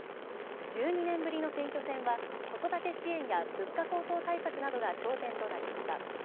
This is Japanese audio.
１２年ぶりの選挙戦は子育て支援や、物価高騰対策などが焦点となりました。